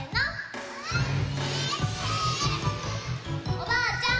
おばあちゃん